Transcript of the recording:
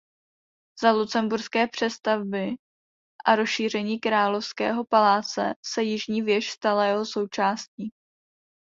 Za lucemburské přestavby a rozšíření královského paláce se jižní věž stala jeho součástí.